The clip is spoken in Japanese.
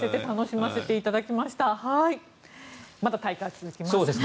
まだ大会は続きます。